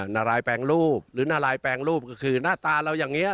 นารายแปลงรูปหรือนารายแปลงรูปก็คือหน้าตาเราอย่างนี้